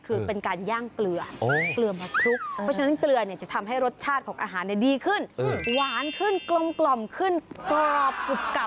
คือการย่างเครื่องเครื่องมาคลุก